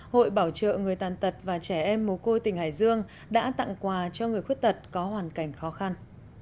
hội bảo trợ người tàn tật và trẻ em mồ côi tỉnh hải dương đã tặng quà cho người khuyết tật có hoàn cảnh khó khăn